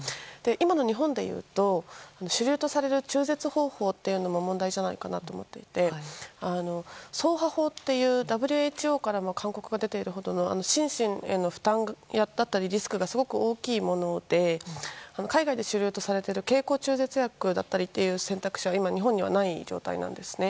今の日本でいうと主流とされる中絶方法も問題じゃないかと思っていてソウハ法っていうＷＨＯからも勧告が出ているほどの心身への負担だったりリスクがすごく大きいもので海外で主流とされている経口中絶薬だったりという選択肢が今、日本にはない状態なんですね。